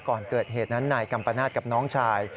ก่อนเกิดเหตุนั้นนายกัมปนาศกับน้องชาย